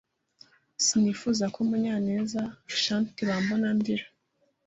sinifuza ko Munyanezna Ashanti bambona ndira.